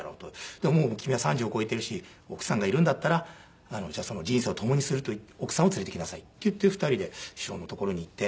でも君は３０を超えているし奥さんがいるんだったらじゃあその人生を共にするという奥さんを連れてきなさい」っていって２人で師匠の所に行って。